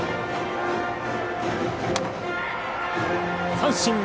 三振！